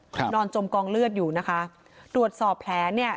นอนจมกองเลือดอยู่นะคะตรวจสอบแผลเนี่ย